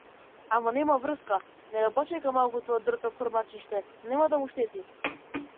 Ама нема врска, нека почека малку тоа дрто крмачиште, нема да му штети.